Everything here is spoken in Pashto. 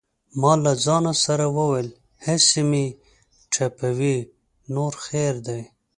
ما له ځانه سره وویل: هسې مې ټپوي نور خیر دی.